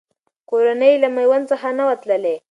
کورنۍ یې له میوند څخه نه وه تللې.